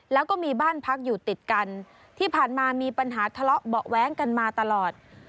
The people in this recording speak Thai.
แล้วก็มีบ้านพักอยู่ติดกันที่ผ่านมามีปัญหาทะเลาะเบาะแว้งกันมาตลอด